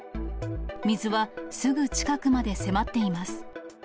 水はすぐ近くまで迫っています。